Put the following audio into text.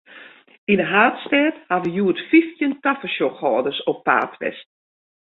Yn de haadstêd hawwe hjoed fyftjin tafersjochhâlders op paad west.